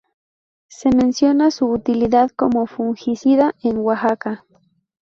Se menciona su utilidad como fungicida en Oaxaca.